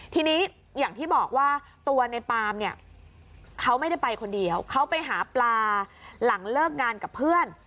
ทีนี้อย่างที่บอกว่าตัวในปามเนี่ยเขาไม่ได้ไปคนเดียวเขาไปหาปลาหลังเลิกงานกับเพื่อน